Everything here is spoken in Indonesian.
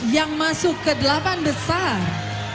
yang masuk ke delapan besar